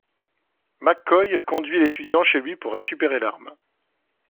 McCoy conduit l'étudiant chez lui pour récupérer l'arme.